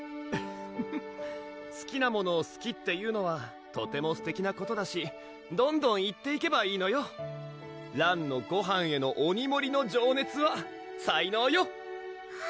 フフすきなものをすきって言うのはとてもすてきなことだしどんどん言っていけばいいのよらんのごはんへの鬼盛りの情熱は才能よ！